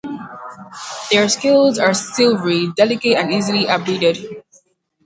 Their scales are silvery, delicate and easily abraded.